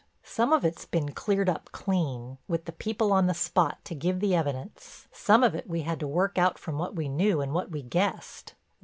Some of it's been cleared up clean, with the people on the spot to give the evidence, some of it we had to work out from what we knew and what we guessed.